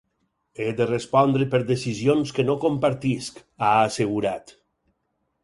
“He de respondre per decisions que no compartisc”, ha assegurat.